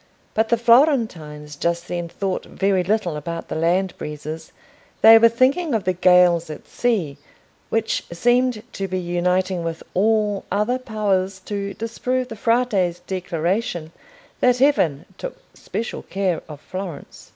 But the Florentines just then thought very little about the land breezes: they were thinking of the gales at sea, which seemed to be uniting with all other powers to disprove the Frate's declaration that Heaven took special care of Florence.